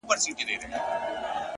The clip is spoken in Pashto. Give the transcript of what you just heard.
هغه به خپل زړه په ژړا وویني _